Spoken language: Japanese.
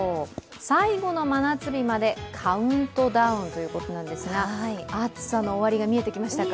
最後の真夏日までカウントダウンということなんですが暑さの終わりが見えてきましたか。